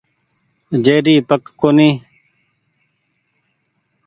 جيري پگ ڪونيٚ ۔